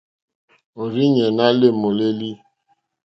Òrzìɲɛ́ ná lê môlélí.